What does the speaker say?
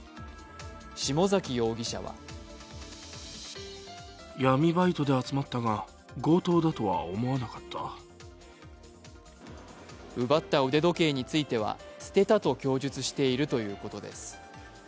下崎容疑者は奪った腕時計については捨てたと供述しているということです。